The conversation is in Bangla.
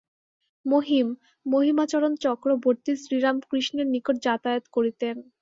মহিম, মহিমাচরণ চক্রবর্তী শ্রীরামকৃষ্ণের নিকট যাতায়াত করিতেন।